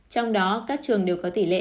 trong đó các trường đều có tỷ lệ